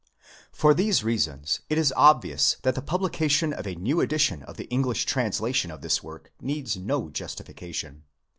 _ For these reasons it is obvious that the publica tion of a new edition of the English translation of INTRODUCTION. Vii this work needs no justification.